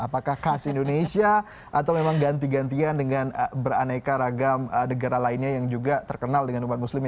apakah khas indonesia atau memang ganti gantian dengan beraneka ragam negara lainnya yang juga terkenal dengan umat muslim